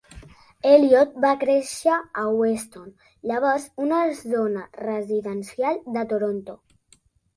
Elliot va créixer a Weston, llavors una zona residencial de Toronto.